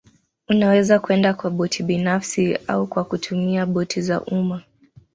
Unaweza kwenda kwa boti binafsi au kwa kutumia boti za umma